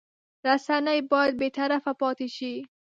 رسنۍ باید بېطرفه پاتې شي.